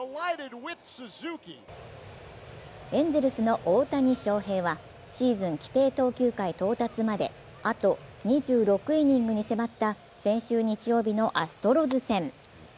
エンゼルスの大谷翔平はシーズン規定投球回到達まであと２６イニングに迫った先週日曜日のアストロズ戦。